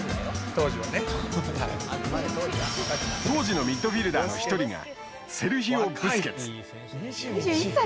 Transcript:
当時のミッドフィルダーの一人がセルヒオ・ブスケツ。